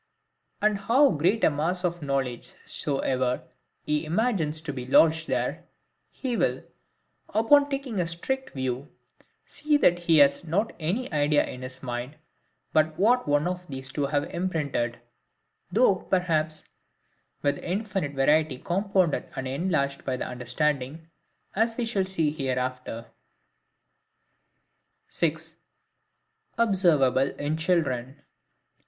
And how great a mass of knowledge soever he imagines to be lodged there, he will, upon taking a strict view, see that he has not any idea in his mind but what one of these two have imprinted;—though perhaps, with infinite variety compounded and enlarged by the understanding, as we shall see hereafter. 6. Observable in Children.